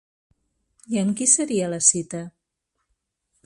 I amb qui seria la cita?